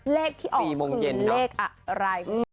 เลขที่ออกคือเลขอะไร